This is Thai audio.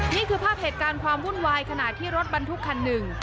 นี่คือภาพเหตุการณ์ความวุ่นวายขณะที่รถบรรทุกคันหนึ่ง